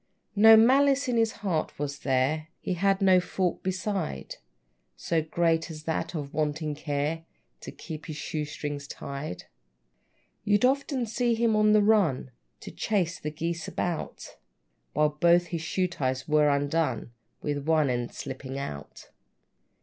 No malice in his heart was there; He had no fault beside, So great as that of wanting care. To keep his shoe strings tied. You'd often see him on the run, To chase the geese about, While both his shoe ties were undone, With one end slipping out.